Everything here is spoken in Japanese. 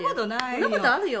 そんな事あるよ。